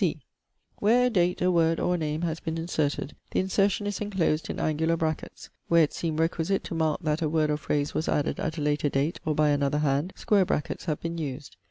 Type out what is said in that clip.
(c) Where a date, a word, or a name has been inserted, the insertion is enclosed in angular brackets <>. Where it seemed requisite to mark that a word or phrase was added at a later date, or by another hand, square brackets have been used [].